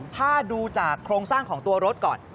ถ้าดูจากโครงสร้างของตัวรถก่อน